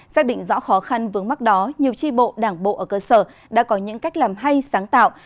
xác định rõ khó khăn vướng mắt đó nhiều tri bộ đảng bộ ở cơ sở đã có những cách làm hay sáng tạo